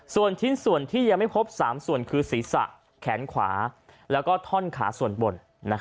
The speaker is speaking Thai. ส่วนชิ้นส่วนที่ยังไม่พบ๓ส่วนคือศีรษะแขนขวาแล้วก็ท่อนขาส่วนบน